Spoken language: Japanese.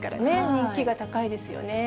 人気が高いですよね。